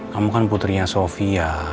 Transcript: kamu kan putrinya sofia